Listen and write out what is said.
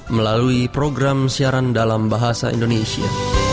melalui program siaran dalam bahasa indonesia